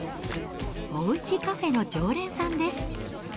おうちカフェの常連さんです。